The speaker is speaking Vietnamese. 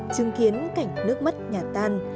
chứng kiến cảnh nước mất nhà tan